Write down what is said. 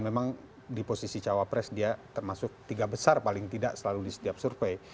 dan memang di posisi cawapres dia termasuk tiga besar paling tidak selalu di setiap survei